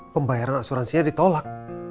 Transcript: pembayaran asuransinya ditolak